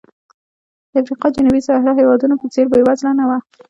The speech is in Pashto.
د افریقا جنوبي صحرا هېوادونو په څېر بېوزله نه و.